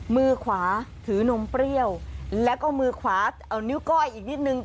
มือขวาถือนมเปรี้ยวแล้วก็มือขวาเอานิ้วก้อยอีกนิดนึง